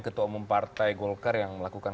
ketua umum partai golkar yang melakukan